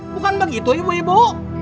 bukan begitu ibu ibu